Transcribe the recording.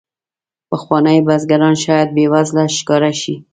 پخواني بزګران شاید بې وزله ښکاره شي.